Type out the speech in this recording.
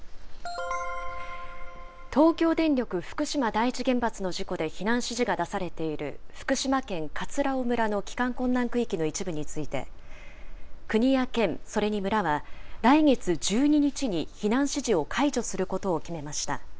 東京電力福島第一原発の事故で避難指示が出されている福島県葛尾村の帰還困難区域の一部について、国や県、それに村は、来月１２日に避難指示を解除することを決めました。